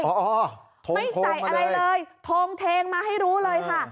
ไม่ใส่อะไรเลยโทงเทงมาให้รู้เลยค่ะ